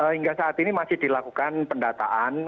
hingga saat ini masih dilakukan pendataan